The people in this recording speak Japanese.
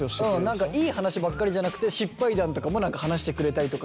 何かいい話ばっかりじゃなくて失敗談とかも話してくれたりとかすると。